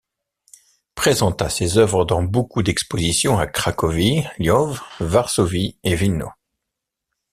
Presenta ses œuvres dans beaucoup d'expositions à Cracovie, Lwow, Varsovie et Wilno.